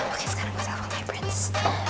oke sekarang gue nelfon my prince